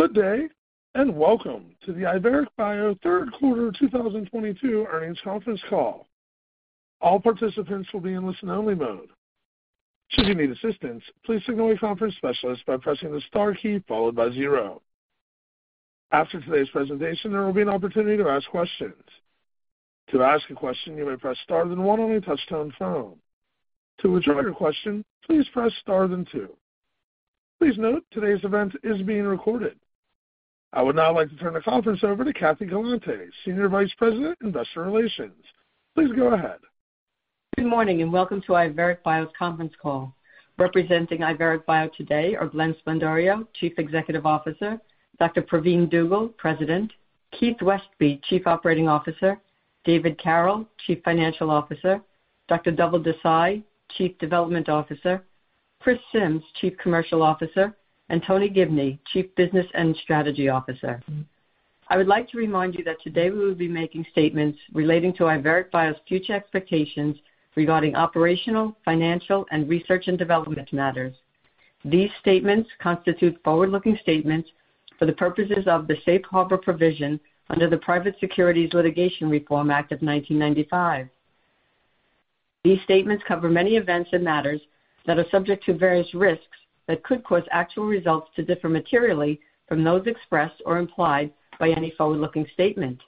Good day, and welcome to the IVERIC bio third quarter 2022 earnings conference call. All participants will be in listen only mode. Should you need assistance, please signal a conference specialist by pressing the star key followed by zero. After today's presentation, there will be an opportunity to ask questions. To ask a question, you may press star then one on your touch-tone phone. To withdraw your question, please press star then two. Please note today's event is being recorded. I would now like to turn the conference over to Kathy Galante, Senior Vice President, Investor Relations. Please go ahead. Good morning, and welcome to IVERIC bio's conference call. Representing IVERIC bio today are Glenn P. Sblendorio, Chief Executive Officer, Dr. Pravin U. Dugel, President, Keith Westby, Chief Operating Officer, David F. Carroll, Chief Financial Officer, Dr. Dhaval Desai, Chief Development Officer, Christopher Simms, Chief Commercial Officer, and Tony Gibney, Chief Business and Strategy Officer. I would like to remind you that today we will be making statements relating to IVERIC bio's future expectations regarding operational, financial, and research and development matters. These statements constitute forward-looking statements for the purposes of the Safe Harbor provision under the Private Securities Litigation Reform Act of 1995. These statements cover many events and matters that are subject to various risks that could cause actual results to differ materially from those expressed or implied by any forward-looking statement.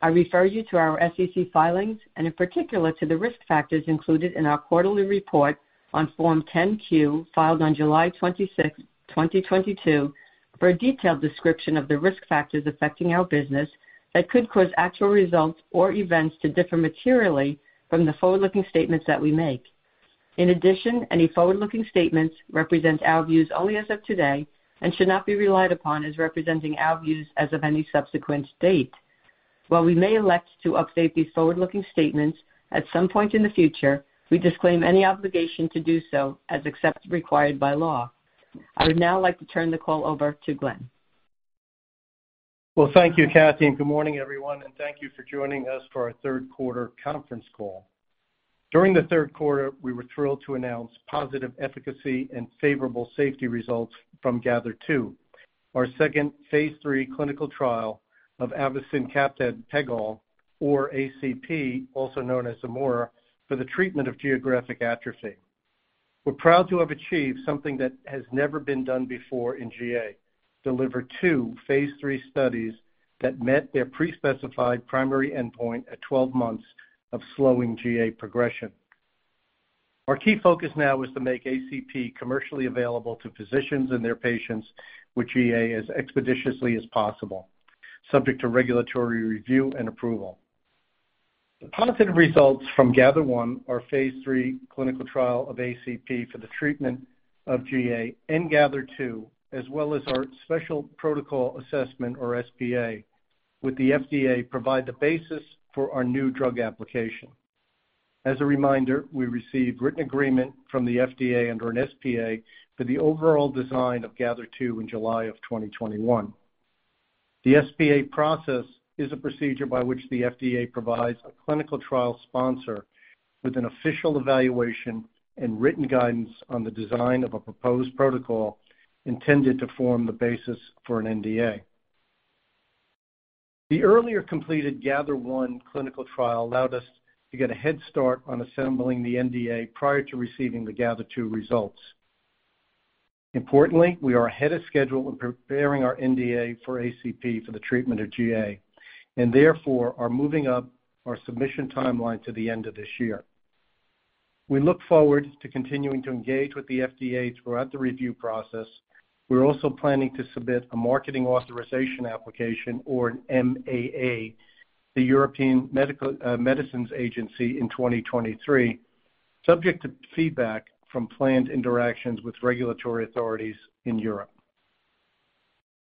I refer you to our SEC filings, and in particular to the risk factors included in our quarterly report on Form 10-Q filed on July 26th, 2022 for a detailed description of the risk factors affecting our business that could cause actual results or events to differ materially from the forward-looking statements that we make. In addition, any forward-looking statements represent our views only as of today and should not be relied upon as representing our views as of any subsequent date. While we may elect to update these forward-looking statements at some point in the future, we disclaim any obligation to do so except as required by law. I would now like to turn the call over to Glenn. Well, thank you, Kathy, and good morning everyone, and thank you for joining us for our third quarter conference call. During the third quarter, we were thrilled to announce positive efficacy and favorable safety results from GATHER2, our second phase III clinical trial of avacincaptad pegol, or ACP, also known as Zimura, for the treatment of geographic atrophy. We're proud to have achieved something that has never been done before in GA, deliver two phase III studies that met their pre-specified primary endpoint at 12 months of slowing GA progression. Our key focus now is to make ACP commercially available to physicians and their patients with GA as expeditiously as possible, subject to regulatory review and approval. The positive results from GATHER1, our phase III clinical trial of ACP for the treatment of GA, and GATHER2, as well as our special protocol assessment, or SPA, with the FDA provide the basis for our new drug application. As a reminder, we received written agreement from the FDA under an SPA for the overall design of GATHER2 in July 2021. The SPA process is a procedure by which the FDA provides a clinical trial sponsor with an official evaluation and written guidance on the design of a proposed protocol intended to form the basis for an NDA. The earlier completed GATHER1 clinical trial allowed us to get a head start on assembling the NDA prior to receiving the GATHER2 results. Importantly, we are ahead of schedule in preparing our NDA for ACP for the treatment of GA and therefore are moving up our submission timeline to the end of this year. We look forward to continuing to engage with the FDA throughout the review process. We're also planning to submit a marketing authorization application or an MAA, the European Medicines Agency in 2023, subject to feedback from planned interactions with regulatory authorities in Europe.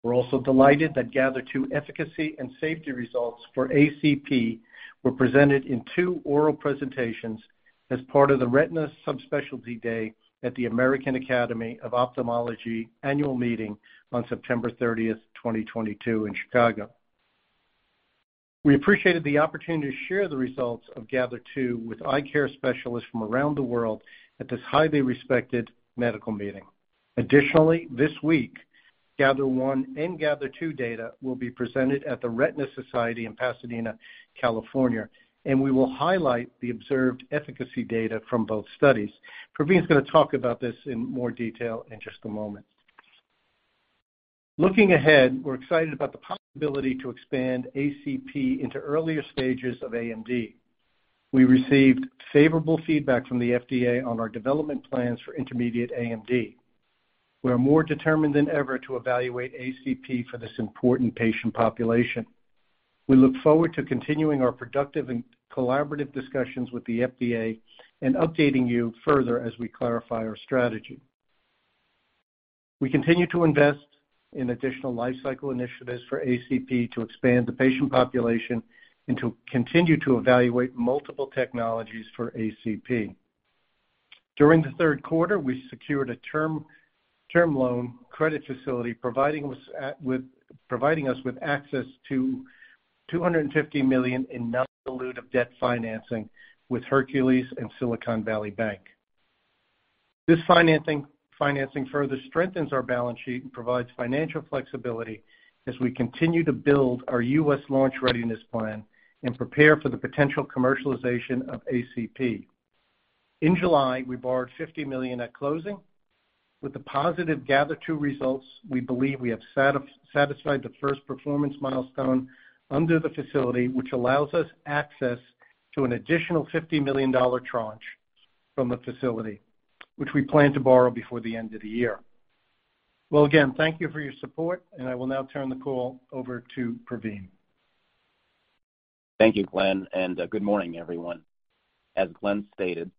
We're also delighted that GATHER2 efficacy and safety results for ACP were presented in two oral presentations as part of the Retina Subspecialty Day at the American Academy of Ophthalmology annual meeting on September 30, 2022 in Chicago. We appreciated the opportunity to share the results of GATHER2 with eye care specialists from around the world at this highly respected medical meeting. Additionally, this week, GATHER1 and GATHER2 data will be presented at The Retina Society in Pasadena, California, and we will highlight the observed efficacy data from both studies. Pravin is going to talk about this in more detail in just a moment. Looking ahead, we're excited about the possibility to expand ACP into earlier stages of AMD. We received favorable feedback from the FDA on our development plans for intermediate AMD. We are more determined than ever to evaluate ACP for this important patient population. We look forward to continuing our productive and collaborative discussions with the FDA and updating you further as we clarify our strategy. We continue to invest in additional life cycle initiatives for ACP to expand the patient population and to continue to evaluate multiple technologies for ACP. During the third quarter, we secured a term loan credit facility providing us with access to $250 million in non-dilutive debt financing with Hercules and Silicon Valley Bank. This financing further strengthens our balance sheet and provides financial flexibility as we continue to build our U.S. launch readiness plan and prepare for the potential commercialization of ACP. In July, we borrowed $50 million at closing. With the positive GATHER2 results, we believe we have satisfied the first performance milestone under the facility, which allows us access to an additional $50 million dollar tranche from the facility, which we plan to borrow before the end of the year. Well, again, thank you for your support, and I will now turn the call over to Pravin. Thank you, Glenn, and good morning, everyone. As Glenn stated,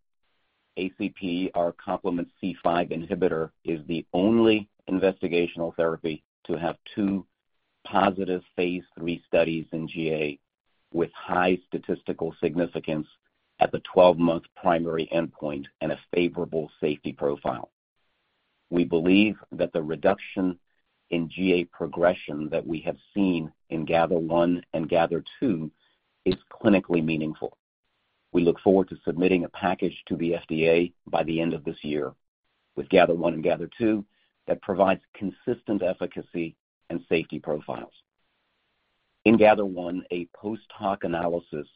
ACP, our complement C5 inhibitor, is the only investigational therapy to have two positive phase III studies in GA with high statistical significance at the 12 month primary endpoint and a favorable safety profile. We believe that the reduction in GA progression that we have seen in GATHER1 and GATHER2 is clinically meaningful. We look forward to submitting a package to the FDA by the end of this year with GATHER1 and GATHER2 that provides consistent efficacy and safety profiles. In GATHER1, a post-hoc analysis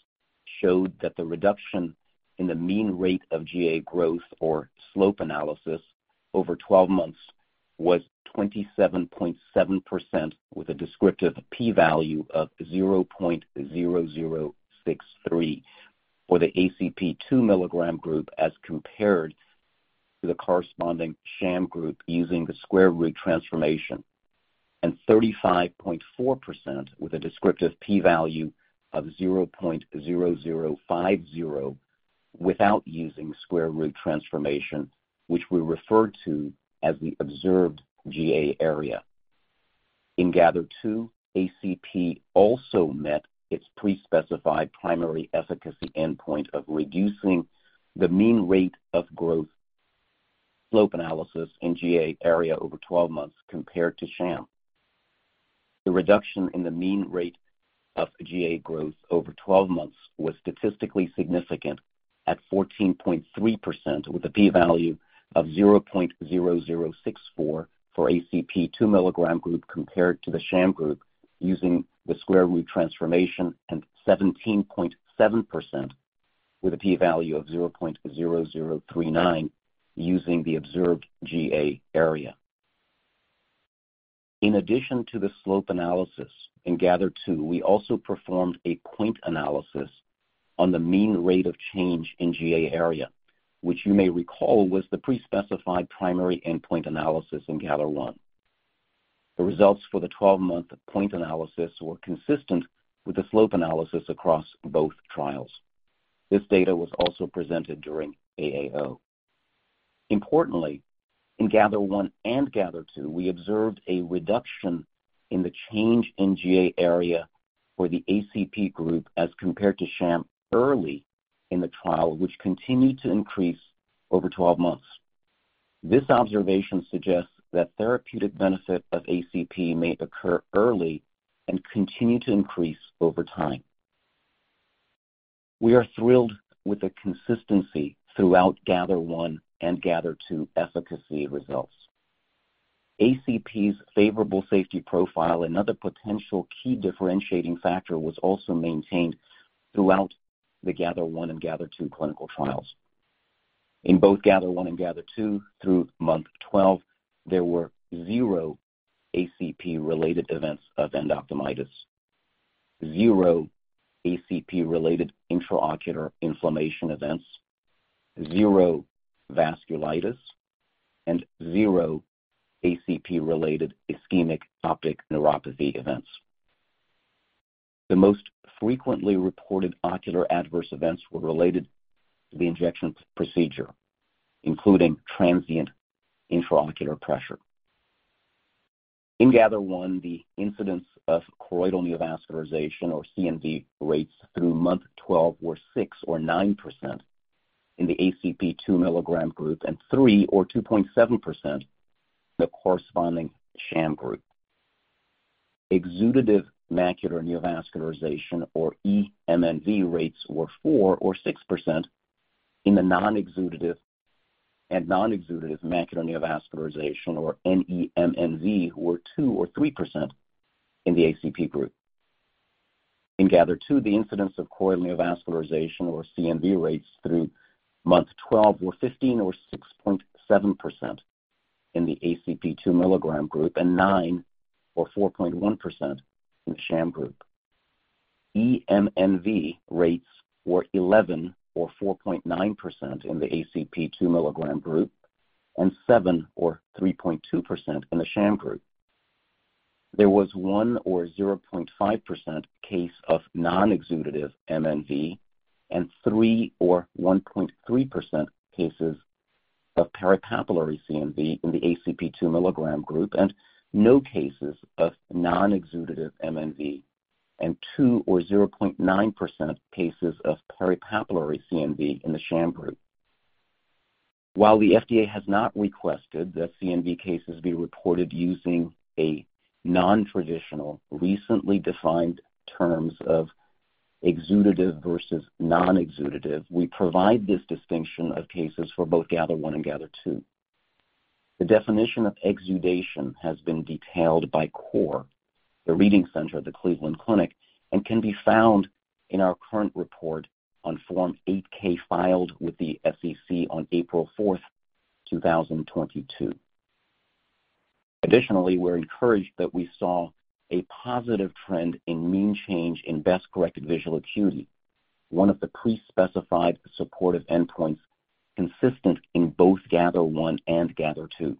showed that the reduction in the mean rate of GA growth or slope analysis over 12 months was 27.7% with a descriptive P value of 0.0063 for the ACP 2 milligram group as compared to the corresponding sham group using the square root transformation, and 35.4% with a descriptive P value of 0.0050 without using square root transformation, which we refer to as the observed GA area. In GATHER2, ACP also met its pre-specified primary efficacy endpoint of reducing the mean rate of growth slope analysis in GA area over 12 months compared to sham. The reduction in the mean rate of GA growth over 12 months was statistically significant at 14.3%, with a P-value of 0.0064 for ACP 2 milligram group compared to the sham group using the square root transformation and 17.7% with a P value of 0.0039 using the observed GA area. In addition to the slope analysis in GATHER2, we also performed a point analysis on the mean rate of change in GA area, which you may recall was the pre-specified primary endpoint analysis in GATHER1. The results for the 12-month point analysis were consistent with the slope analysis across both trials. This data was also presented during AAO. Importantly, in GATHER1 and GATHER2, we observed a reduction in the change in GA area for the ACP group as compared to sham early in the trial, which continued to increase over 12 months. This observation suggests that therapeutic benefit of ACP may occur early and continue to increase over time. We are thrilled with the consistency throughout GATHER1 and GATHER2 efficacy results. ACP's favorable safety profile, another potential key differentiating factor, was also maintained throughout the GATHER1 and GATHER2 clinical trials. In both GATHER1 and GATHER2, through month 12, there were zero ACP-related events of endophthalmitis, zero ACP-related intraocular inflammation events, zero vasculitis, and zero ACP-related ischemic optic neuropathy events. The most frequently reported ocular adverse events were related to the injection procedure, including transient intraocular pressure. In GATHER1, the incidence of choroidal neovascularization or CNV rates through month 12 were 6% or 9% in the ACP 2 mg group and 3% or 2.7% in the corresponding sham group. Exudative macular neovascularization or EMNV rates were 4% or 6%, and non-exudative macular neovascularization or NEMNV were 2% or 3% in the ACP group. In GATHER2, the incidence of choroidal neovascularization or CNV rates through month 12 were 15% or 6.7% in the ACP 2 mg group and 9% or 4.1% in the sham group. EMNV rates were 11% or 4.9% in the ACP 2 mg group and 7% or 3.2% in the sham group. There was 1 or 0.5% case of non-exudative MNV and 3 or 1.3% cases of peripapillary CNV in the ACP 2 mg group, and no cases of non-exudative MNV and 2 or 0.9% cases of peripapillary CNV in the sham group. While the FDA has not requested that CNV cases be reported using a non-traditional, recently defined terms of exudative versus non-exudative. We provide this distinction of cases for both GATHER1 and GATHER2. The definition of exudation has been detailed by CORE, the reading center of the Cleveland Clinic, and can be found in our current report on Form 8-K filed with the SEC on April 4, 2022. Additionally, we're encouraged that we saw a positive trend in mean change in best-corrected visual acuity, one of the pre-specified supportive endpoints consistent in both GATHER1 and GATHER2.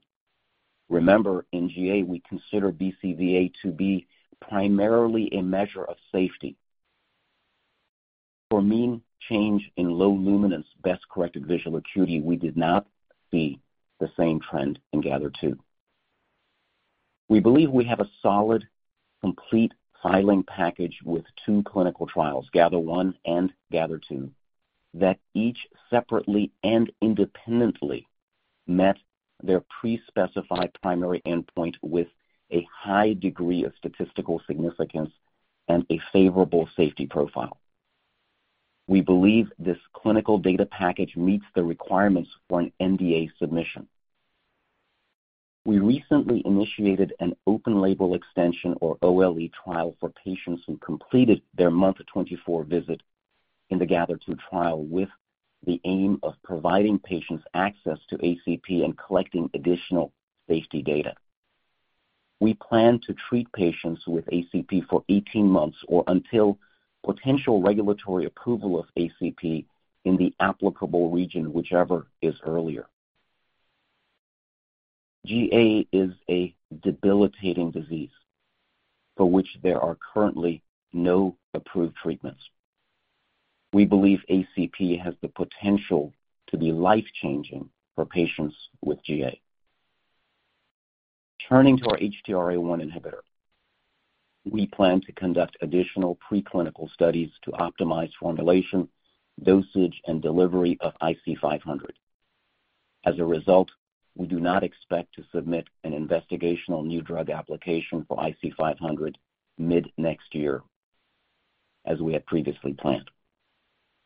Remember, in GA, we consider BCVA to be primarily a measure of safety. For mean change in low luminance best-corrected visual acuity, we did not see the same trend in GATHER2. We believe we have a solid, complete filing package with two clinical trials, GATHER1 and GATHER2, that each separately and independently met their pre-specified primary endpoint with a high degree of statistical significance and a favorable safety profile. We believe this clinical data package meets the requirements for an NDA submission. We recently initiated an open label extension or OLE trial for patients who completed their month 24 visit in the GATHER2 trial with the aim of providing patients access to ACP and collecting additional safety data. We plan to treat patients with ACP for 18 months or until potential regulatory approval of ACP in the applicable region, whichever is earlier. GA is a debilitating disease for which there are currently no approved treatments. We believe ACP has the potential to be life-changing for patients with GA. Turning to our HTRA1 inhibitor. We plan to conduct additional preclinical studies to optimize formulation, dosage, and delivery of IC-500. As a result, we do not expect to submit an investigational new drug application for IC-500 mid-next year, as we had previously planned.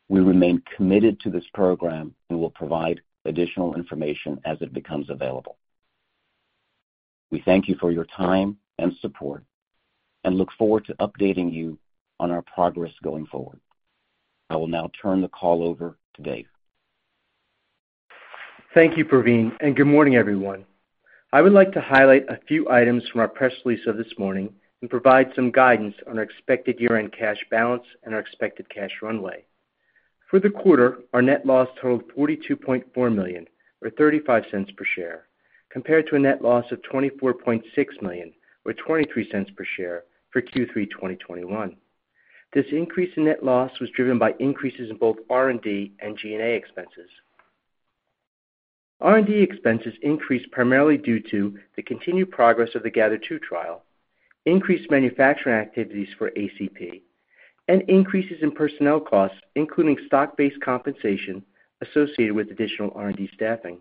We remain committed to this program and will provide additional information as it becomes available. We thank you for your time and support and look forward to updating you on our progress going forward. I will now turn the call over to Dave. Thank you, Pravin, and good morning, everyone. I would like to highlight a few items from our press release of this morning and provide some guidance on our expected year-end cash balance and our expected cash runway. For the quarter, our net loss totaled $42.4 million or $0.35 per share, compared to a net loss of $24.6 million or $0.23 per share for Q3 2021. This increase in net loss was driven by increases in both R&D and G&A expenses. R&D expenses increased primarily due to the continued progress of the GATHER2 trial, increased manufacturing activities for ACP, and increases in personnel costs, including stock-based compensation associated with additional R&D staffing.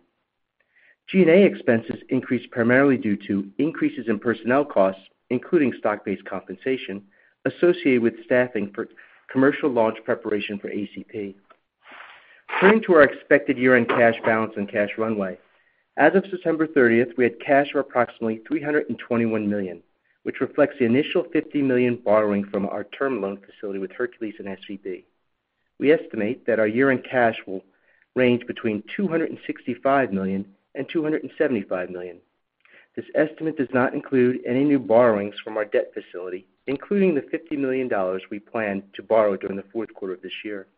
G&A expenses increased primarily due to increases in personnel costs, including stock-based compensation associated with staffing for commercial launch preparation for ACP. Turning to our expected year-end cash balance and cash runway. As of September 30, we had cash of approximately $321 million, which reflects the initial $50 million borrowing from our term loan facility with Hercules and SVB. We estimate that our year-end cash will range between $265 million and $275 million. This estimate does not include any new borrowings from our debt facility, including the $50 million we plan to borrow during the fourth quarter of this year.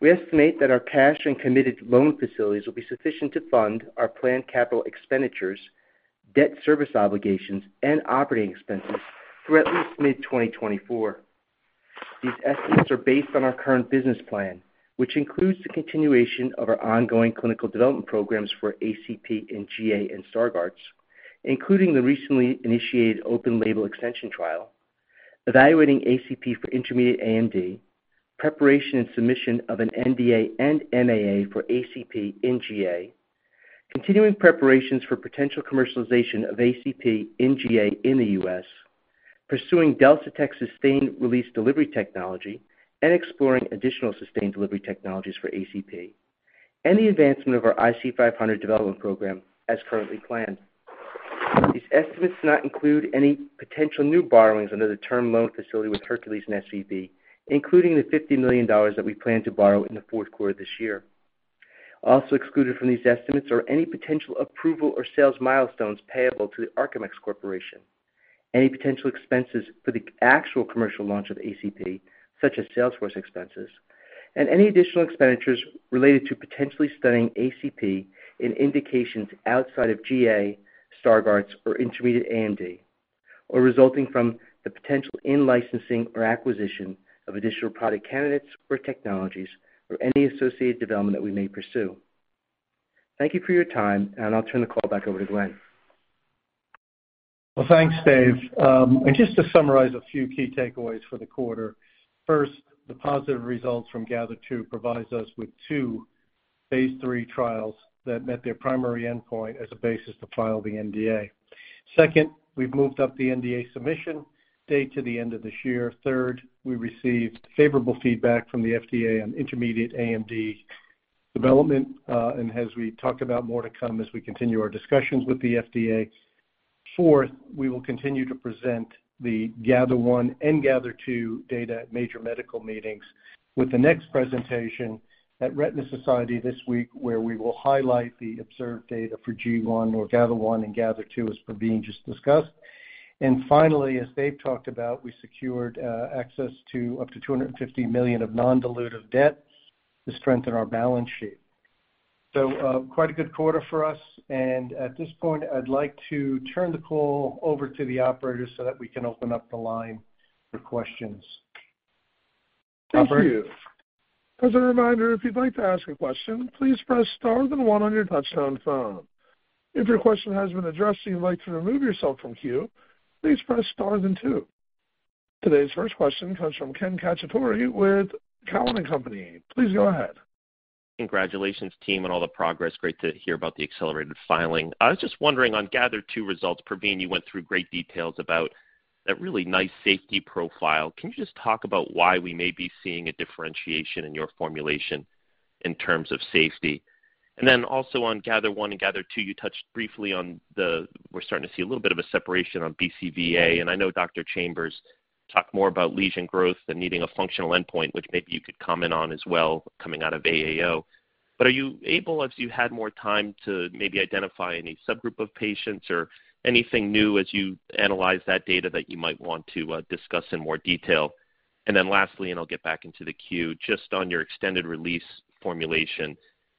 We estimate that our cash and committed loan facilities will be sufficient to fund our planned capital expenditures, debt service obligations, and operating expenses through at least mid-2024. These estimates are based on our current business plan, which includes the continuation of our ongoing clinical development programs for ACP in GA and Stargardt's, including the recently initiated open label extension trial, evaluating ACP for intermediate AMD, preparation and submission of an NDA and MAA for ACP in GA, continuing preparations for potential commercialization of ACP in GA in the U.S., pursuing DelSiTech sustained release delivery technology and exploring additional sustained delivery technologies for ACP, and the advancement of our IC-500 development program as currently planned. These estimates do not include any potential new borrowings under the term loan facility with Hercules and SVB, including the $50 million that we plan to borrow in the fourth quarter this year. Also excluded from these estimates are any potential approval or sales milestones payable to the Archemix Corp., any potential expenses for the actual commercial launch of ACP, such as sales force expenses, and any additional expenditures related to potentially studying ACP in indications outside of GA, Stargardt's, or intermediate AMD, or resulting from the potential in-licensing or acquisition of additional product candidates or technologies or any associated development that we may pursue. Thank you for your time, and I'll turn the call back over to Glenn. Well, thanks, Dave. Just to summarize a few key takeaways for the quarter. First, the positive results from GATHER2 provides us with two phase III trials that met their primary endpoint as a basis to file the NDA. Second, we've moved up the NDA submission date to the end of this year. Third, we received favorable feedback from the FDA on intermediate AMD development, and as we talked about more to come as we continue our discussions with the FDA. Fourth, we will continue to present the GATHER1 and GATHER2 data at major medical meetings with the next presentation at Retina Society this week, where we will highlight the observed data for GATHER1 and GATHER2 as Pravin just discussed. Finally, as David talked about, we secured access to up to $250 million of non-dilutive debt to strengthen our balance sheet. Quite a good quarter for us. At this point, I'd like to turn the call over to the operator so that we can open up the line for questions. Operator? Thank you. As a reminder, if you'd like to ask a question, please press star then one on your touch-tone phone. If your question has been addressed and you'd like to remove yourself from queue, please press star then two. Today's first question comes from Ken Cacciatore with Cowen and Company. Please go ahead. Congratulations, team, on all the progress. Great to hear about the accelerated filing. I was just wondering on GATHER2 results, Pravin, you went through great details about that really nice safety profile. Can you just talk about why we may be seeing a differentiation in your formulation in terms of safety? Then also on GATHER1 and GATHER2, you touched briefly on the we're starting to see a little bit of a separation on BCVA. I know Dr. Chambers talked more about lesion growth and needing a functional endpoint, which maybe you could comment on as well coming out of AAO. Are you able, as you had more time, to maybe identify any subgroup of patients or anything new as you analyze that data that you might want to discuss in more detail? Lastly, and I'll get back into the queue, just on your extended release formulation,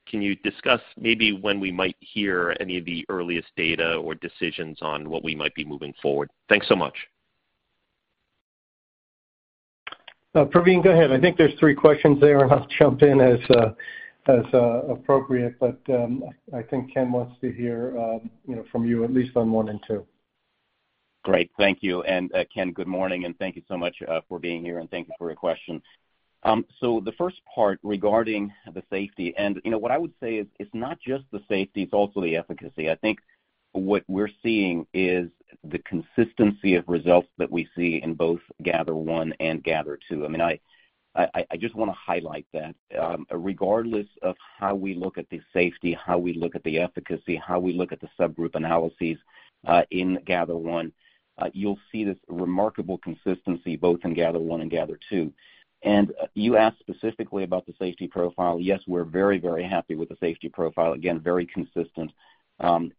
can you discuss maybe when we might hear any of the earliest data or decisions on what we might be moving forward? Thanks so much. Pravin, go ahead. I think there's three questions there, and I'll jump in as appropriate. I think Ken wants to hear, you know, from you at least on one and two. Great. Thank you. Ken, good morning, and thank you so much for being here, and thank you for your question. The first part regarding the safety, and, you know, what I would say is it's not just the safety, it's also the efficacy. I think what we're seeing is the consistency of results that we see in both GATHER1 and GATHER2. I mean, I just wanna highlight that. Regardless of how we look at the safety, how we look at the efficacy, how we look at the subgroup analyses, in GATHER1, you'll see this remarkable consistency both in GATHER1 and GATHER2. You asked specifically about the safety profile. Yes, we're very, very happy with the safety profile. Again, very consistent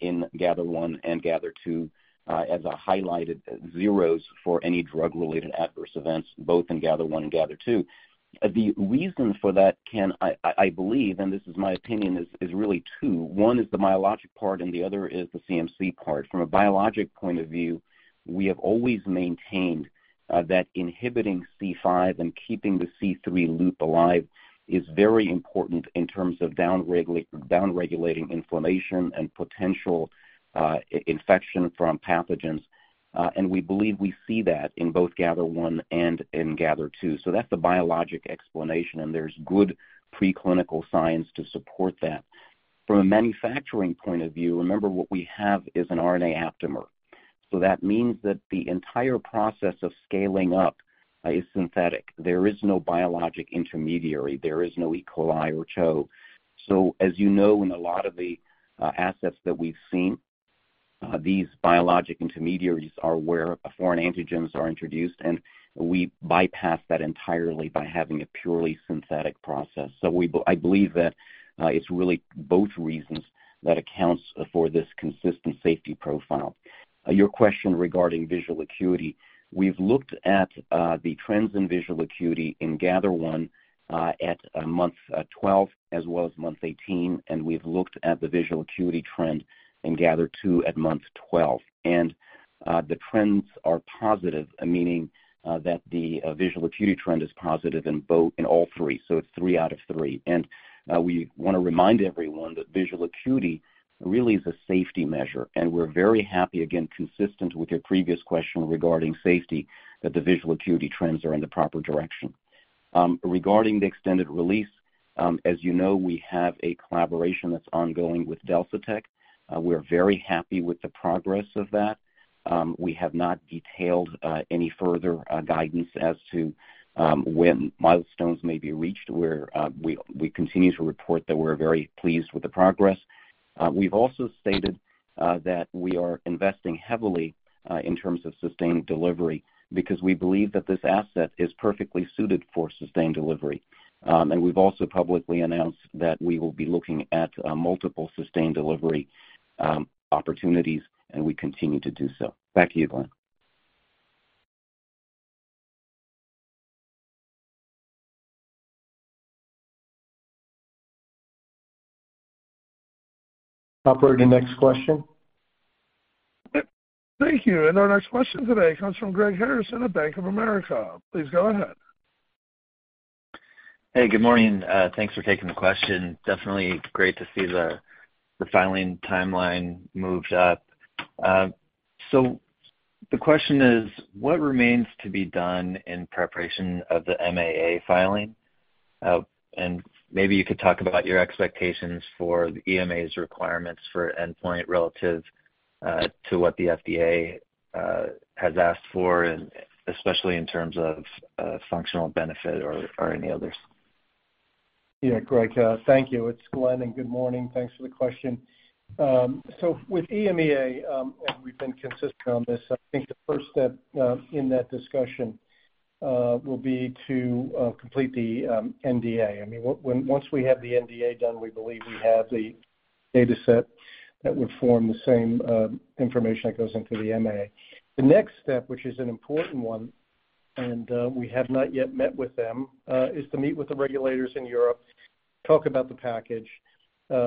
in GATHER1 and GATHER2, as I highlighted zeros for any drug-related adverse events, both in GATHER1 and GATHER2. The reason for that, Ken, I believe, and this is my opinion, is really two. One is the biologic part and the other is the CMC part. From a biologic point of view, we have always maintained that inhibiting C5 and keeping the C3 loop alive is very important in terms of down regulating inflammation and potential infection from pathogens. We believe we see that in both GATHER1 and in GATHER2. That's the biologic explanation, and there's good preclinical science to support that. From a manufacturing point of view, remember what we have is an RNA aptamer. That means that the entire process of scaling up is synthetic. There is no biologic intermediary. There is no E. coli or CHO. As you know, in a lot of the assets that we've seen, these biologic intermediaries are where foreign antigens are introduced, and we bypass that entirely by having a purely synthetic process. I believe that it's really both reasons that accounts for this consistent safety profile. Your question regarding visual acuity. We've looked at the trends in visual acuity in GATHER1 at month 12 as well as month 18, and we've looked at the visual acuity trend in GATHER2 at month 12. The trends are positive, meaning that the visual acuity trend is positive in both, in all three. It's three out of three. We wanna remind everyone that visual acuity really is a safety measure, and we're very happy, again, consistent with your previous question regarding safety, that the visual acuity trends are in the proper direction. Regarding the extended release, as you know, we have a collaboration that's ongoing with DelSiTech. We're very happy with the progress of that. We have not detailed any further guidance as to when milestones may be reached. We continue to report that we're very pleased with the progress. We've also stated that we are investing heavily in terms of sustained delivery because we believe that this asset is perfectly suited for sustained delivery. We've also publicly announced that we will be looking at multiple sustained delivery opportunities, and we continue to do so. Back to you, Glenn. Operator, next question. Thank you. Our next question today comes from Greg Harrison at Bank of America. Please go ahead. Hey, good morning. Thanks for taking the question. Definitely great to see the filing timeline moved up. The question is, what remains to be done in preparation of the MAA filing? Maybe you could talk about your expectations for the EMA's requirements for endpoints relative to what the FDA has asked for and especially in terms of functional benefit or any others. Yeah, Greg, thank you. It's Glenn, and good morning. Thanks for the question. With EMEA, and we've been consistent on this, I think the first step in that discussion will be to complete the NDA. I mean, once we have the NDA done, we believe we have the data set that would form the same information that goes into the MAA. The next step, which is an important one, and we have not yet met with them, is to meet with the regulators in Europe, talk about the package.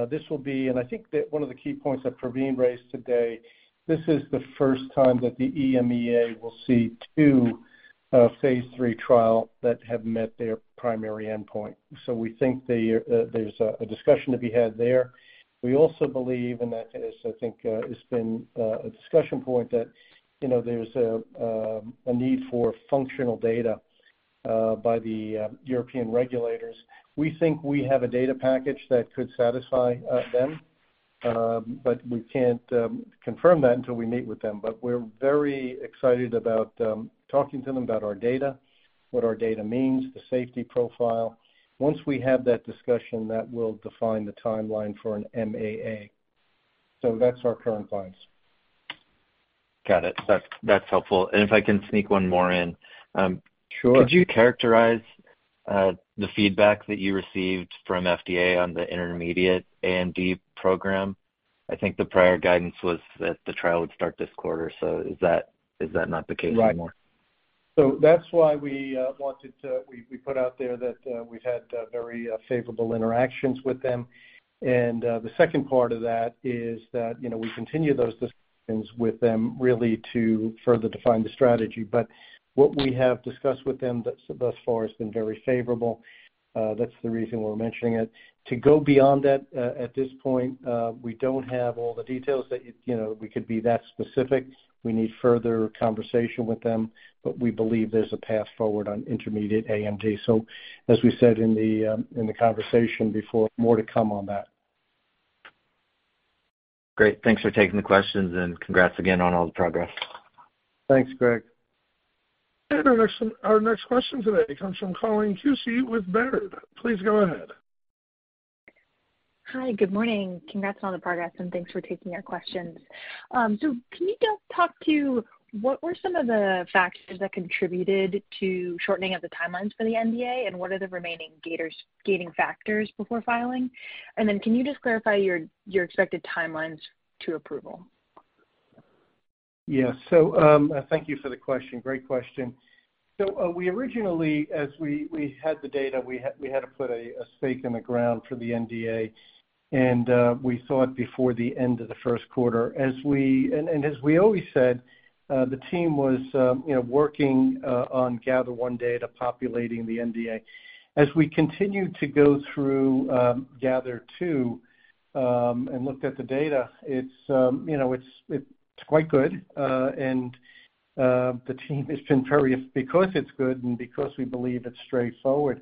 This will be, and I think that one of the key points that Pravin raised today, this is the first time that the EMEA will see two phase III trials that have met their primary endpoint. We think there's a discussion to be had there. We also believe, and that is, I think, has been a discussion point that, you know, there's a need for functional data by the European regulators. We think we have a data package that could satisfy them, but we can't confirm that until we meet with them. But we're very excited about talking to them about our data, what our data means, the safety profile. Once we have that discussion, that will define the timeline for an MAA. That's our current plans. Got it. That's helpful. If I can sneak one more in. Sure. Could you characterize the feedback that you received from FDA on the intermediate AMD program? I think the prior guidance was that the trial would start this quarter. Is that not the case anymore? Right. That's why we put out there that we've had very favorable interactions with them. The second part of that is that, you know, we continue those discussions with them really to further define the strategy. What we have discussed with them thus far has been very favorable. That's the reason we're mentioning it. To go beyond that, at this point, we don't have all the details that, you know, we could be that specific. We need further conversation with them, but we believe there's a path forward on intermediate AMD. As we said in the conversation before, more to come on that. Great. Thanks for taking the questions, and congrats again on all the progress. Thanks, Greg. Our next question today comes from Colleen Kusy with Baird. Please go ahead. Hi. Good morning. Congrats on all the progress, and thanks for taking our questions. Can you just talk to what were some of the factors that contributed to shortening of the timelines for the NDA, and what are the remaining gating factors before filing? And then can you just clarify your expected timelines to approval? Yeah. Thank you for the question. Great question. We originally had the data and had to put a stake in the ground for the NDA, and we thought before the end of the first quarter. As we always said, the team was, you know, working on GATHER1 data populating the NDA. As we continued to go through GATHER2 and looked at the data, it's quite good. Because it's good and because we believe it's straightforward,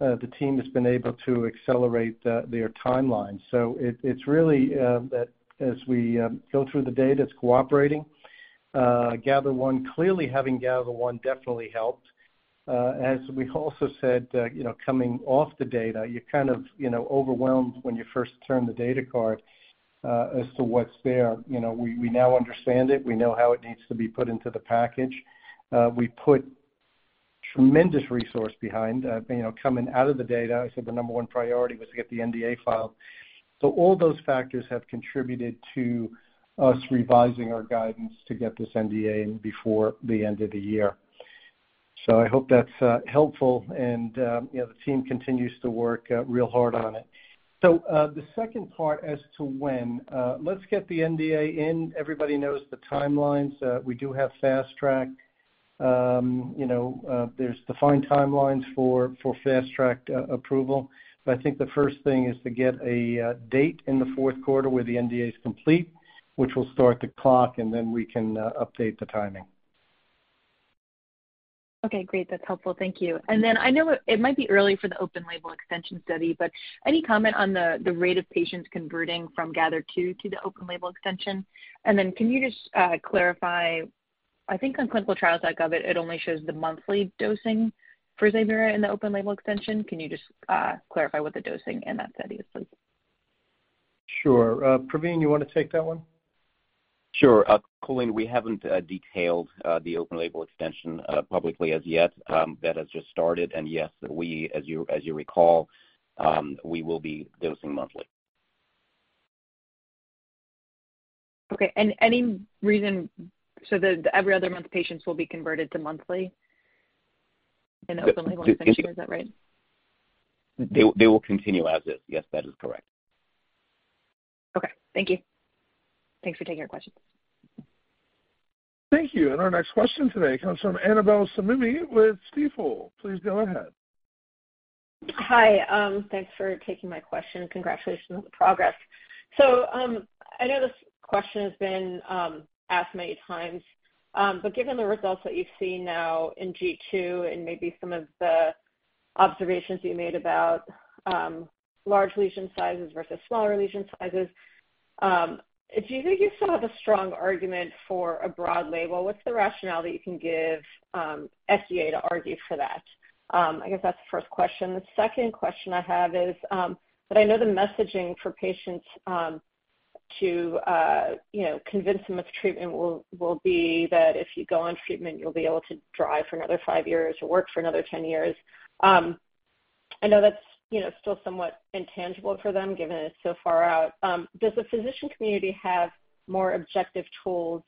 the team has been able to accelerate their timeline. It's really that as we go through the data, it's cooperating. Clearly, having GATHER1 definitely helped. As we also said, you know, coming off the data, you're kind of, you know, overwhelmed when you first turn the data card, as to what's there. You know, we now understand it. We know how it needs to be put into the package. We put tremendous resource behind, you know, coming out of the data. I said the number one priority was to get the NDA filed. All those factors have contributed to us revising our guidance to get this NDA in before the end of the year. I hope that's helpful and, you know, the team continues to work real hard on it. The second part as to when let's get the NDA in. Everybody knows the timelines. We do have Fast Track. You know, there's defined timelines for Fast Track approval. I think the first thing is to get a date in the fourth quarter where the NDA is complete, which will start the clock, and then we can update the timing. Okay, great. That's helpful. Thank you. I know it might be early for the open label extension study, but any comment on the rate of patients converting from GATHER2 to the open label extension? Can you just clarify, I think on ClinicalTrials.gov, it only shows the monthly dosing for Zimura in the open label extension. Can you just clarify what the dosing in that study is, please? Sure. Pravin, you wanna take that one? Sure. Colleen, we haven't detailed the open label extension publicly as yet. That has just started. Yes, we, as you recall, we will be dosing monthly. Any reason the every other month patients will be converted to monthly in open label extension, is that right? They will continue as is. Yes, that is correct. Okay. Thank you. Thanks for taking our questions. Thank you. Our next question today comes from Annabel Samimy with Stifel. Please go ahead. Hi. Thanks for taking my question. Congratulations on the progress. I know this question has been asked many times, but given the results that you've seen now in GATHER2 and maybe some of the observations you made about large lesion sizes versus smaller lesion sizes, do you think you still have a strong argument for a broad label? What's the rationale that you can give FDA to argue for that? I guess that's the first question. The second question I have is, but I know the messaging for patients to you know, convince them of treatment will be that if you go on treatment, you'll be able to drive for another five years or work for another 10 years. I know that's, you know, still somewhat intangible for them, given it's so far out. Does the physician community have more objective tools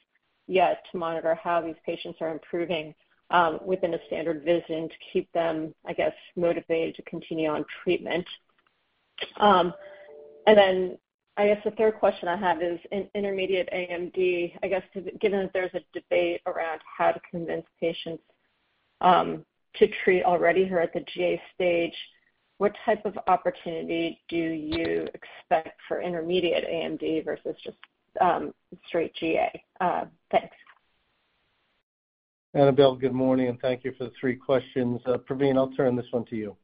yet to monitor how these patients are improving, within a standard visit and to keep them, I guess, motivated to continue on treatment? I guess the third question I have is in intermediate AMD, I guess, given that there's a debate around how to convince patients, to treat already who are at the GA stage, what type of opportunity do you expect for intermediate AMD versus just, straight GA? Thanks. Annabel, good morning, and thank you for the three questions. Pravin, I'll turn this one to you.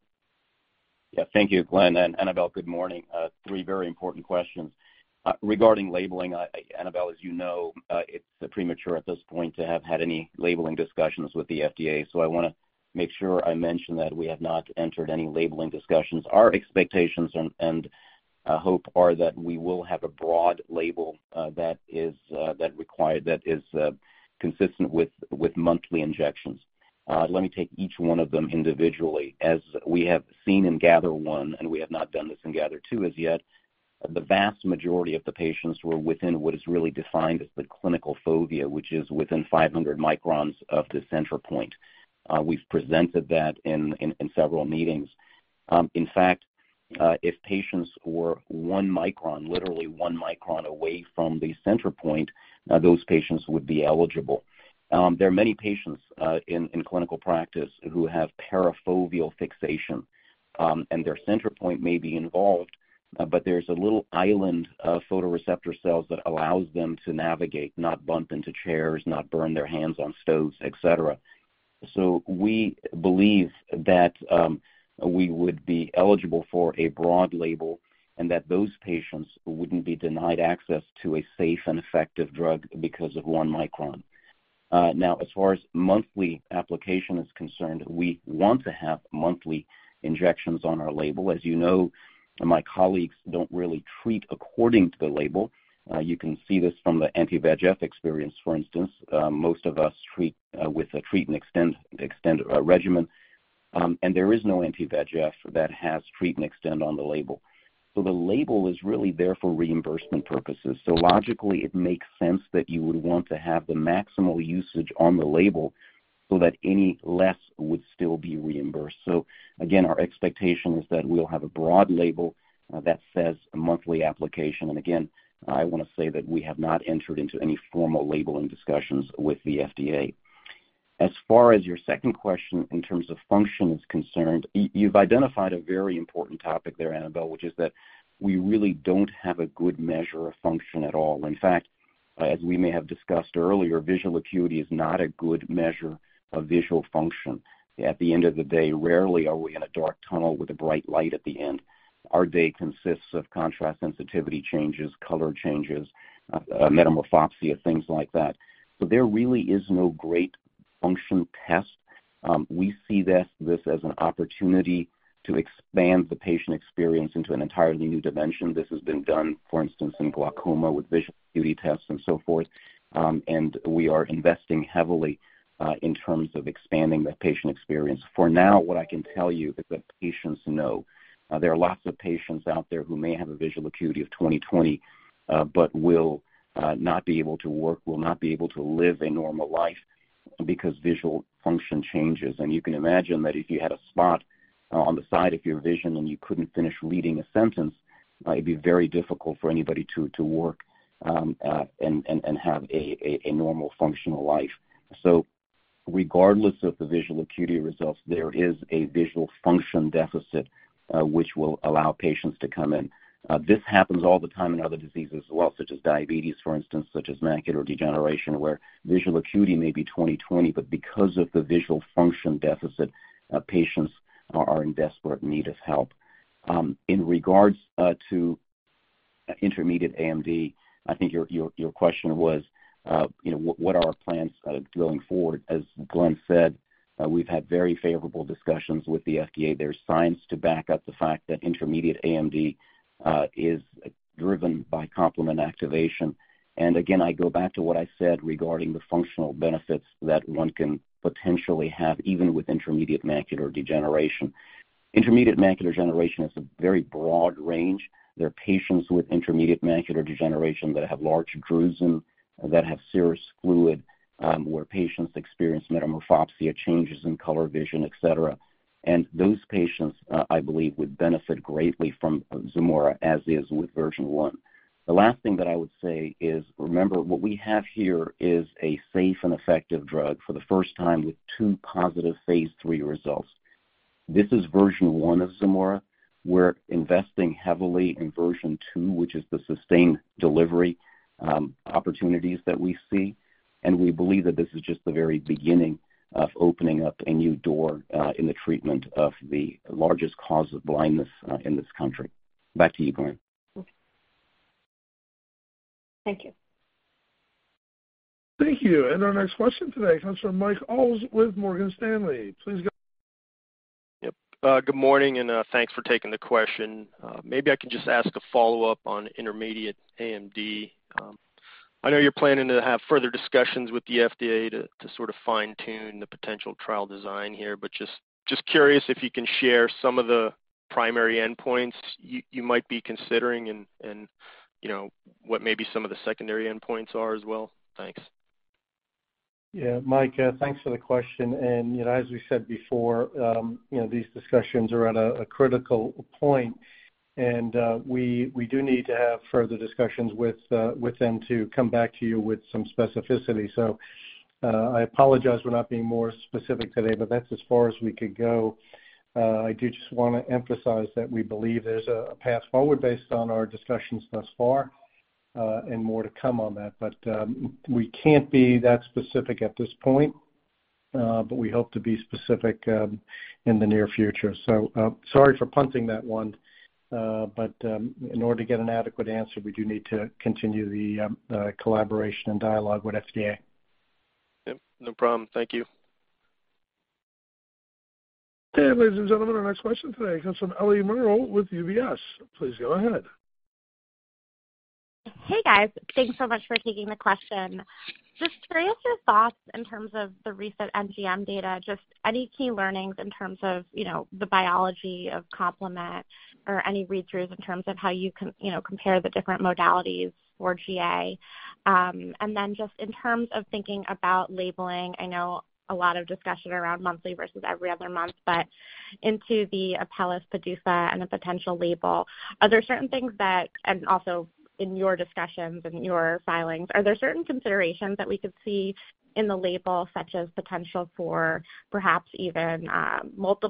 Yeah, thank you, Glenn. Annabel, good morning. Three very important questions. Regarding labeling, Annabel, as you know, it's premature at this point to have had any labeling discussions with the FDA. I want to make sure I mention that we have not entered any labeling discussions. Our expectations and hope are that we will have a broad label that is consistent with monthly injections. Let me take each one of them individually. As we have seen in GATHER1, and we have not done this in GATHER2 as yet, the vast majority of the patients were within what is really defined as the clinical fovea, which is within 500 microns of the center point. We've presented that in several meetings. In fact, if patients were one micron, literally one micron away from the center point, those patients would be eligible. There are many patients in clinical practice who have parafoveal fixation, and their center point may be involved, but there's a little island of photoreceptor cells that allows them to navigate, not bump into chairs, not burn their hands on stoves, et cetera. We believe that we would be eligible for a broad label and that those patients wouldn't be denied access to a safe and effective drug because of one micron. Now, as far as monthly application is concerned, we want to have monthly injections on our label. As you know, my colleagues don't really treat according to the label. You can see this from the anti-VEGF experience, for instance. Most of us treat with a treat and extend regimen. There is no anti-VEGF that has treat and extend on the label. The label is really there for reimbursement purposes. Logically, it makes sense that you would want to have the maximal usage on the label so that any less would still be reimbursed. Again, our expectation is that we'll have a broad label that says monthly application. Again, I want to say that we have not entered into any formal labeling discussions with the FDA. As far as your second question in terms of function is concerned, you've identified a very important topic there, Annabel, which is that we really don't have a good measure of function at all. In fact, as we may have discussed earlier, visual acuity is not a good measure of visual function. At the end of the day, rarely are we in a dark tunnel with a bright light at the end. Our day consists of contrast sensitivity changes, color changes, metamorphopsia, things like that. There really is no great function test. We see this as an opportunity to expand the patient experience into an entirely new dimension. This has been done, for instance, in glaucoma with visual acuity tests and so forth. We are investing heavily in terms of expanding the patient experience. For now, what I can tell you is that patients know there are lots of patients out there who may have a visual acuity of 20/20, but will not be able to work, will not be able to live a normal life because visual function changes. You can imagine that if you had a spot on the side of your vision and you couldn't finish reading a sentence, it'd be very difficult for anybody to work and have a normal functional life. So regardless of the visual acuity results, there is a visual function deficit which will allow patients to come in. This happens all the time in other diseases as well, such as diabetes, for instance, such as macular degeneration, where visual acuity may be 20/20, but because of the visual function deficit, patients are in desperate need of help. In regards to intermediate AMD, I think your question was, you know, what are our plans going forward? As Glenn said, we've had very favorable discussions with the FDA. There's science to back up the fact that intermediate AMD is driven by complement activation. Again, I go back to what I said regarding the functional benefits that one can potentially have even with intermediate macular degeneration. Intermediate macular degeneration is a very broad range. There are patients with intermediate macular degeneration that have large drusen, that have serous fluid, where patients experience metamorphopsia, changes in color vision, et cetera. Those patients, I believe, would benefit greatly from Zimura as is with version one. The last thing that I would say is, remember, what we have here is a safe and effective drug for the first time with two positive phase III results. This is version one of Zimura. We're investing heavily in version two, which is the sustained delivery opportunities that we see. We believe that this is just the very beginning of opening up a new door, in the treatment of the largest cause of blindness, in this country. Back to you, Glenn. Okay. Thank you. Thank you. Our next question today comes from Mike Yeh with Morgan Stanley. Please go. Yep. Good morning, and thanks for taking the question. Maybe I can just ask a follow-up on intermediate AMD. I know you're planning to have further discussions with the FDA to sort of fine-tune the potential trial design here, but just curious if you can share some of the primary endpoints you might be considering and you know, what maybe some of the secondary endpoints are as well? Thanks. Yeah. Mike, thanks for the question. You know, as we said before, you know, these discussions are at a critical point, and we do need to have further discussions with them to come back to you with some specificity. I apologize for not being more specific today, but that's as far as we could go. I do just wanna emphasize that we believe there's a path forward based on our discussions thus far, and more to come on that. We can't be that specific at this point, but we hope to be specific in the near future. Sorry for punting that one. In order to get an adequate answer, we do need to continue the collaboration and dialogue with FDA. Yeah. No problem. Thank you. Ladies and gentlemen, our next question today comes from Ellie Merle with UBS. Please go ahead. Hey, guys. Thanks so much for taking the question. Just curious your thoughts in terms of the recent NGM data, just any key learnings in terms of, you know, the biology of complement or any read-throughs in terms of how you know, compare the different modalities for GA. And then just in terms of thinking about labeling, I know a lot of discussion around monthly versus every other month, but into the Apellis pegcetacoplan and the potential label, are there certain things that. Also in your discussions and your filings, are there certain considerations that we could see in the label such as potential for perhaps even monthly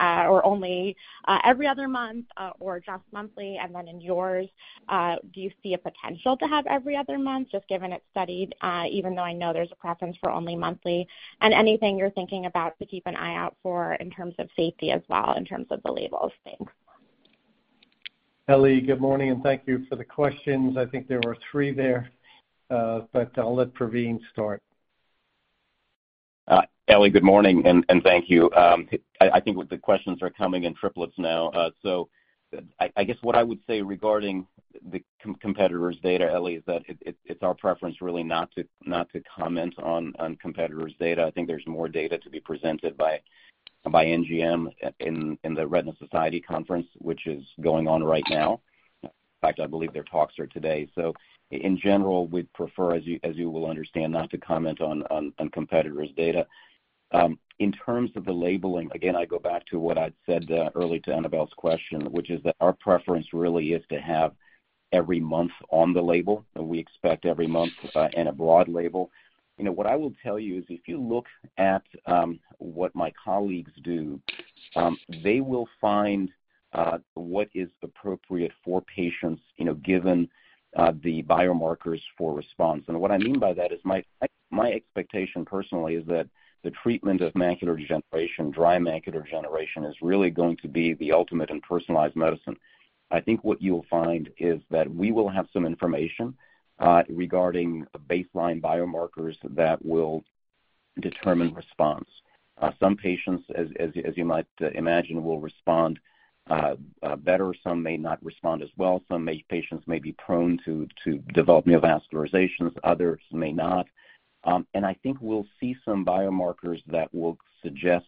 or only every other month or just monthly? In yours, do you see a potential to have every other month just given it's studied, even though I know there's a preference for only monthly? Anything you're thinking about to keep an eye out for in terms of safety as well, in terms of the labels. Thanks. Ellie, good morning, and thank you for the questions. I think there were three there, but I'll let Pravin start. Ellie, good morning and thank you. I think the questions are coming in triplets now. I guess what I would say regarding the competitor's data, Ellie, is that it's our preference really not to comment on competitor's data. I think there's more data to be presented by NGM in the Retina Society conference, which is going on right now. In fact, I believe their talks are today. In general, we'd prefer, as you will understand, not to comment on competitor's data. In terms of the labeling, again, I go back to what I'd said early to Annabel's question, which is that our preference really is to have every month on the label, and we expect every month in a broad label. You know, what I will tell you is if you look at what my colleagues do, they will find what is appropriate for patients, you know, given the biomarkers for response. What I mean by that is my expectation personally is that the treatment of macular degeneration, dry macular degeneration, is really going to be the ultimate in personalized medicine. I think what you'll find is that we will have some information regarding baseline biomarkers that will determine response. Some patients, as you might imagine, will respond better. Some may not respond as well. Patients may be prone to develop neovascularizations, others may not. I think we'll see some biomarkers that will suggest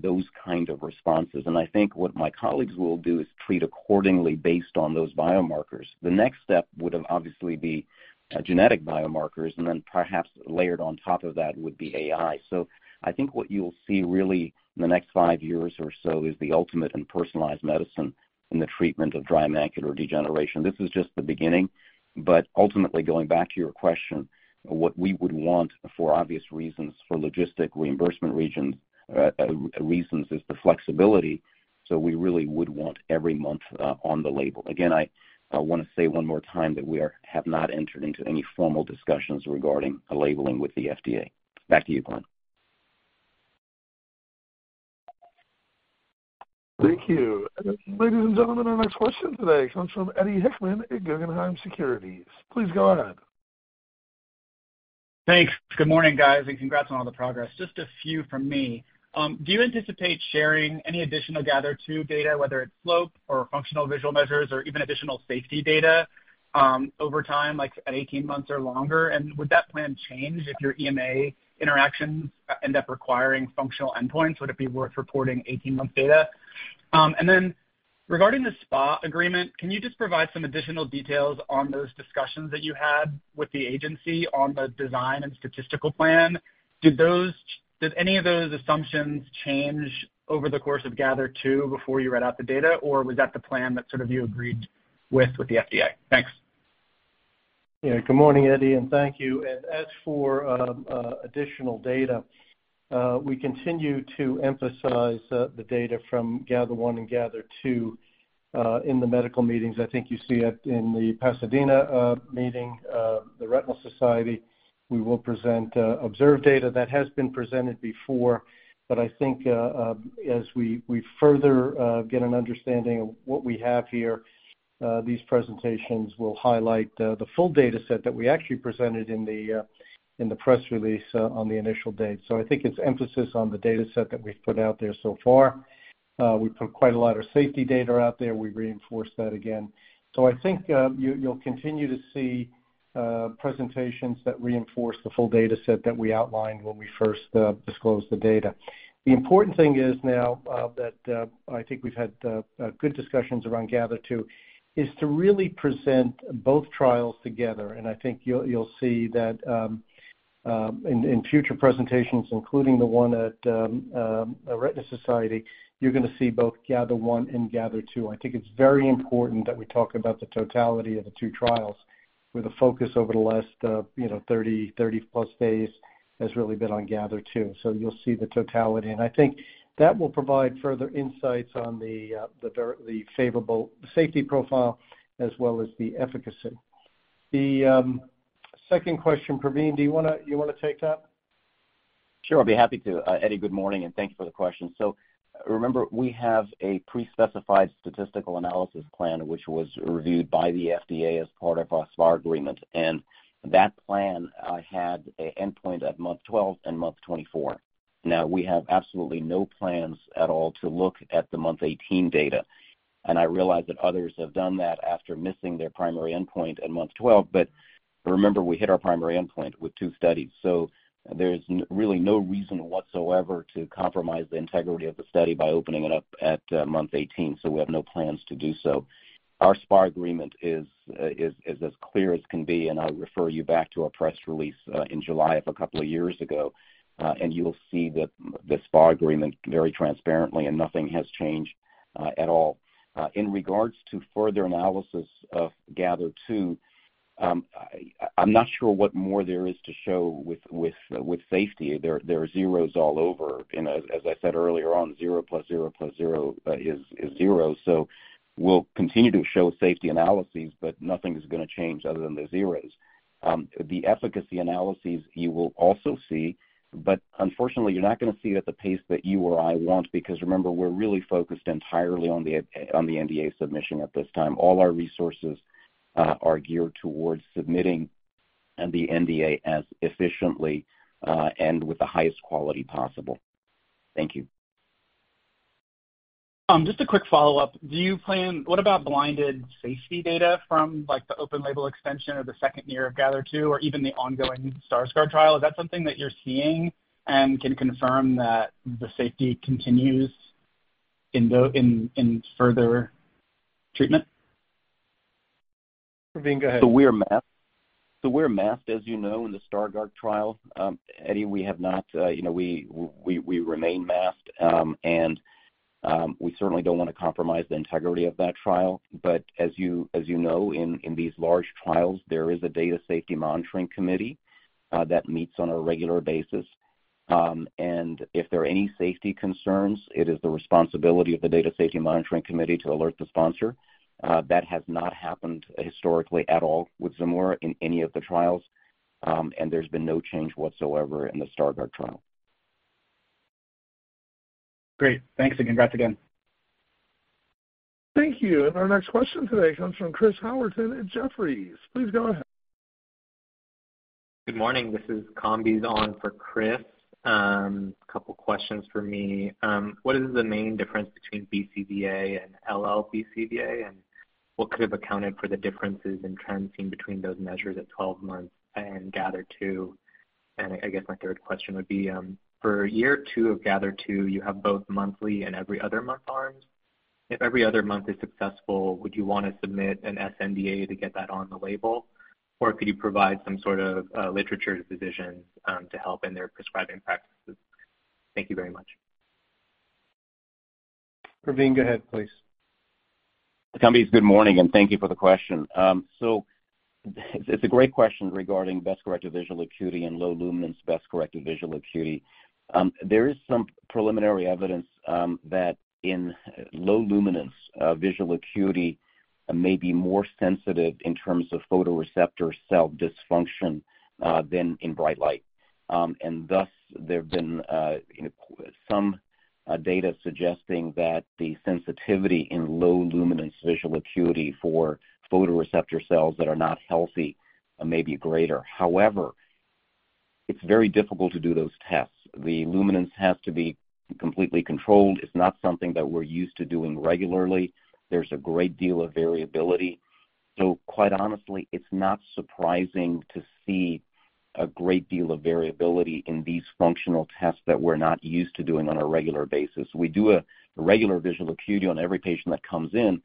those kind of responses. I think what my colleagues will do is treat accordingly based on those biomarkers. The next step would obviously be genetic biomarkers, and then perhaps layered on top of that would be AI. I think what you'll see really in the next five years or so is the ultimate in personalized medicine in the treatment of dry macular degeneration. This is just the beginning. Ultimately, going back to your question, what we would want for obvious reasons, for logistical reimbursement reasons, is the flexibility. We really would want every month on the label. Again, I wanna say one more time that we have not entered into any formal discussions regarding a labeling with the FDA. Back to you, Glenn. Thank you. Ladies and gentlemen, our next question today comes from Eddie Hickman at Guggenheim Securities. Please go ahead. Thanks. Good morning, guys, and congrats on all the progress. Just a few from me. Do you anticipate sharing any additional GATHER2 data, whether it's slope or functional visual measures or even additional safety data, over time, like at 18 months or longer? Would that plan change if your EMA interactions end up requiring functional endpoints? Would it be worth reporting 18-month data? Then regarding the SPA agreement, can you just provide some additional details on those discussions that you had with the agency on the design and statistical plan? Did any of those assumptions change over the course of GATHER2 before you read out the data, or was that the plan that sort of you agreed with the FDA? Thanks. Yeah. Good morning, Eddie, and thank you. As for additional data, we continue to emphasize the data from GATHER1 and GATHER2 in the medical meetings. I think you see it in the Pasadena meeting, the Retina Society. We will present observed data that has been presented before. I think as we further get an understanding of what we have here, these presentations will highlight the full data set that we actually presented in the press release on the initial date. I think it's emphasis on the data set that we've put out there so far. We put quite a lot of safety data out there. We reinforce that again. I think you'll continue to see presentations that reinforce the full data set that we outlined when we first disclosed the data. The important thing is now that I think we've had good discussions around GATHER2, is to really present both trials together. I think you'll see that in future presentations, including the one at The Retina Society, you're gonna see both GATHER1 and GATHER2. I think it's very important that we talk about the totality of the two trials, where the focus over the last, you know, 30+ days has really been on GATHER2. You'll see the totality, and I think that will provide further insights on the favorable safety profile as well as the efficacy. The second question, Pravin, do you wanna take that? Sure, I'd be happy to. Eddie, good morning and thank you for the question. Remember, we have a pre-specified statistical analysis plan which was reviewed by the FDA as part of our SPA agreement. That plan had an endpoint at month 12 and month 24. Now, we have absolutely no plans at all to look at the month 18 data. I realize that others have done that after missing their primary endpoint at month 12. Remember, we hit our primary endpoint with two studies. There's really no reason whatsoever to compromise the integrity of the study by opening it up at month 18, so we have no plans to do so. Our SPA agreement is as clear as can be, and I refer you back to our press release in July of a couple of years ago. You'll see the SPA agreement very transparently, and nothing has changed at all. In regards to further analysis of GATHER2, I'm not sure what more there is to show with safety. There are zeros all over. You know, as I said earlier on, zero plus zero plus zero is zero. We'll continue to show safety analyses, but nothing's gonna change other than the zeros. The efficacy analyses you will also see, but unfortunately, you're not gonna see it at the pace that you or I want because remember, we're really focused entirely on the NDA submission at this time. All our resources are geared towards submitting the NDA as efficiently and with the highest quality possible. Thank you. Just a quick follow-up. What about blinded safety data from, like, the open label extension or the second year of GATHER2 or even the ongoing Stargardt trial? Is that something that you're seeing and can confirm that the safety continues in further treatment? Pravin, go ahead. We're masked, as you know, in the Stargardt trial. Eddie, we remain masked. We certainly don't wanna compromise the integrity of that trial. As you know, in these large trials, there is a data safety monitoring committee that meets on a regular basis. If there are any safety concerns, it is the responsibility of the data safety monitoring committee to alert the sponsor. That has not happened historically at all with Zimura in any of the trials. There's been no change whatsoever in the Stargardt trial. Great. Thanks, and congrats again. Thank you. Our next question today comes from Chris Howerton at Jefferies. Please go ahead. Good morning. This is Kambiz on for Chris. A couple questions for me. What is the main difference between BCVA and LL BCVA? What could have accounted for the differences in trends seen between those measures at 12 months and GATHER2? I guess my third question would be, for year two of GATHER2, you have both monthly and every other month arms. If every other month is successful, would you wanna submit an sNDA to get that on the label? Or could you provide some sort of literature to physicians to help in their prescribing practices? Thank you very much. Pravin U. Dugel, go ahead, please. Kambiz, good morning, and thank you for the question. It's a great question regarding best-corrected visual acuity and low luminance best-corrected visual acuity. There is some preliminary evidence that in low luminance visual acuity may be more sensitive in terms of photoreceptor cell dysfunction than in bright light. Thus there have been, you know, some data suggesting that the sensitivity in low luminance visual acuity for photoreceptor cells that are not healthy may be greater. However, it's very difficult to do those tests. The luminance has to be completely controlled. It's not something that we're used to doing regularly. There's a great deal of variability. Quite honestly, it's not surprising to see a great deal of variability in these functional tests that we're not used to doing on a regular basis. We do a regular visual acuity on every patient that comes in,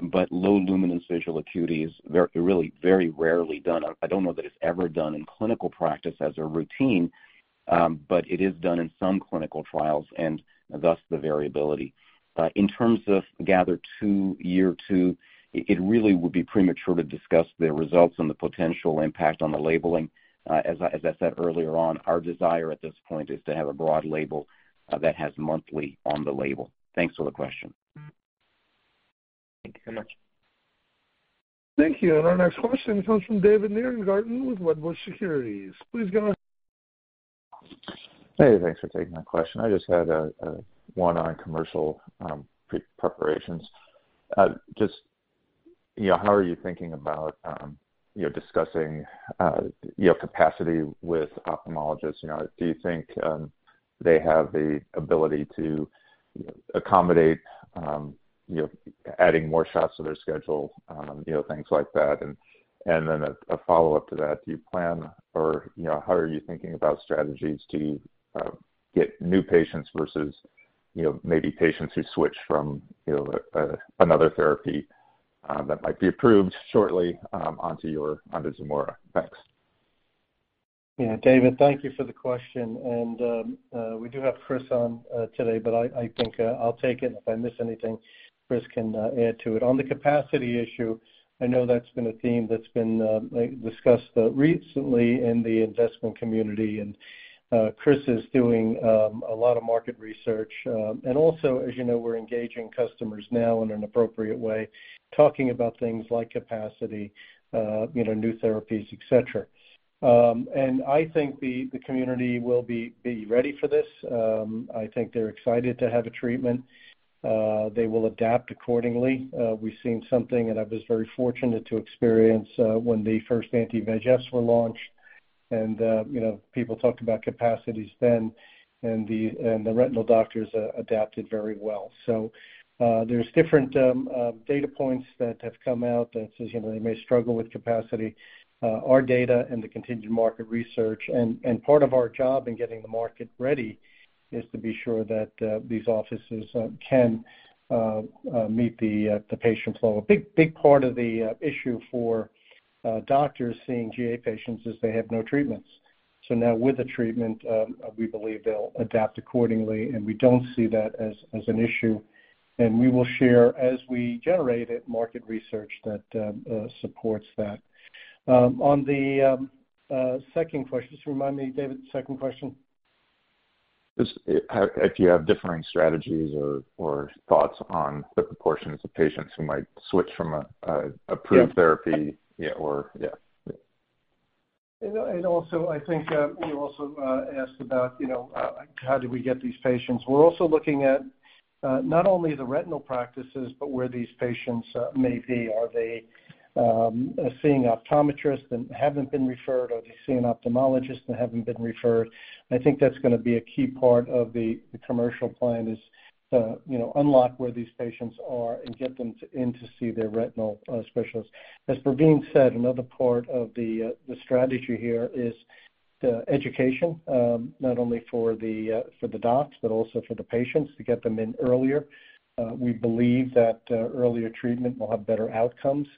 but low luminance visual acuity is very rarely done. I don't know that it's ever done in clinical practice as a routine, but it is done in some clinical trials and thus the variability. In terms of GATHER2 year two, it really would be premature to discuss the results and the potential impact on the labeling. As I said earlier on, our desire at this point is to have a broad label that has monthly on the label. Thanks for the question. Thank you very much. Thank you. Our next question comes from David Nierengarten with Wedbush Securities. Please go on. Hey, thanks for taking my question. I just had a question on commercial preparations. Just, you know, how are you thinking about, you know, discussing, you know, capacity with ophthalmologists? You know, do you think they have the ability to accommodate, you know, adding more shots to their schedule, you know, things like that. Then a follow-up to that, do you plan or, you know, how are you thinking about strategies to get new patients versus, you know, maybe patients who switch from, you know, another therapy that might be approved shortly, onto your Zimura? Thanks. Yeah. David, thank you for the question. We do have Chris on today, but I think I'll take it. If I miss anything, Chris can add to it. On the capacity issue, I know that's been a theme discussed recently in the investment community. Chris is doing a lot of market research. As you know, we're engaging customers now in an appropriate way, talking about things like capacity, you know, new therapies, et cetera. I think the community will be ready for this. I think they're excited to have a treatment. They will adapt accordingly. We've seen something and I was very fortunate to experience when the first anti-VEGFs were launched. You know, people talked about capacities then, and the retinal doctors adapted very well. There's different data points that have come out that says, you know, they may struggle with capacity. Our data and the contingent market research and part of our job in getting the market ready is to be sure that these offices can meet the patient flow. A big part of the issue for doctors seeing GA patients is they have no treatments. Now with the treatment, we believe they'll adapt accordingly, and we don't see that as an issue. We will share, as we generate it, market research that supports that. On the second question. Just remind me, David, second question. Just, if you have differing strategies or thoughts on the proportions of patients who might switch from an approved therapy. Yeah. Yeah, or yeah. Yeah. Also I think you also asked about, you know, how do we get these patients. We're also looking at not only the retinal practices, but where these patients may be. Are they seeing optometrists and haven't been referred, or have they seen an ophthalmologist and haven't been referred? I think that's gonna be a key part of the commercial plan is to, you know, unlock where these patients are and get them in to see their retinal specialist. As Pravin said, another part of the strategy here is the education, not only for the docs, but also for the patients to get them in earlier. We believe that earlier treatment will have better outcomes.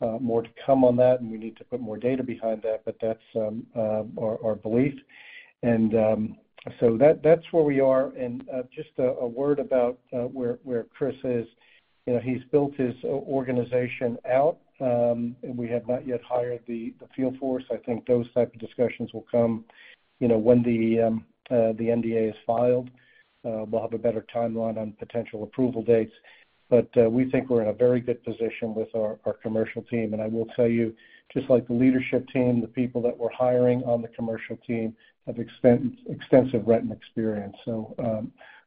More to come on that, and we need to put more data behind that, but that's our belief. That's where we are. Just a word about where Chris Simms is. You know, he's built his organization out, and we have not yet hired the field force. I think those type of discussions will come, you know, when the NDA is filed. We'll have a better timeline on potential approval dates. We think we're in a very good position with our commercial team. I will tell you, just like the leadership team, the people that we're hiring on the commercial team have extensive retina experience.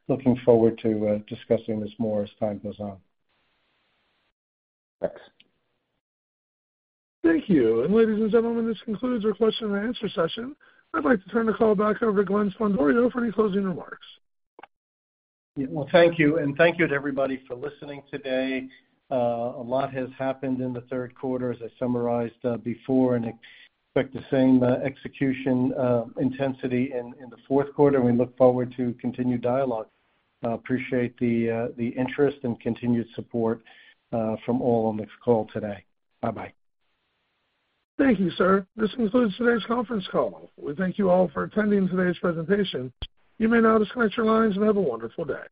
Looking forward to discussing this more as time goes on. Thanks. Thank you. Ladies and gentlemen, this concludes our question and answer session. I'd like to turn the call back over to Glenn Sblendorio for any closing remarks. Well, thank you. Thank you to everybody for listening today. A lot has happened in the third quarter, as I summarized before, and expect the same execution intensity in the fourth quarter. We look forward to continued dialogue. Appreciate the interest and continued support from all on this call today. Bye-bye. Thank you, sir. This concludes today's conference call. We thank you all for attending today's presentation. You may now disconnect your lines, and have a wonderful day.